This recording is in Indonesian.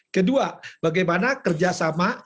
kedua bagaimana kerja sama